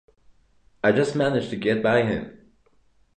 I just managed to get by him.